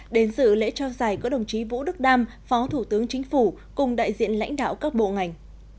đến dự lễ trao giải có đồng chí vũ đức đam phó thủ tướng chính phủ cùng đại diện lãnh đạo các bộ ngành